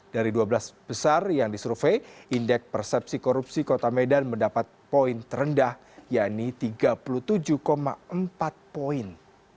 dari dua belas besar yang disurvei indeks persepsi korupsi kota medan mendapat poin terendah yaitu tiga puluh tujuh empat poin